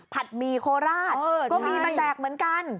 ผัดมีโคราชก็มีมันแจกเหมือนกัน